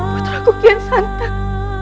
puteraku kian santan